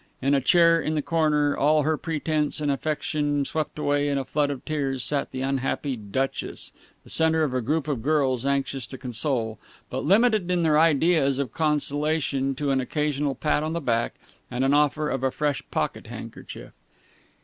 In a chair in the corner, all her pretence and affectation swept away in a flood of tears, sat the unhappy Duchess, the centre of a group of girls anxious to console, but limited in their ideas of consolation to an occasional pat on the back and an offer of a fresh pocket handkerchief.